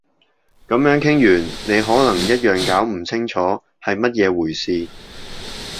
噉樣傾完你可能一樣搞唔清係乜嘢回事